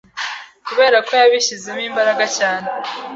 kubera ko yabishyizemo imbaraga cyane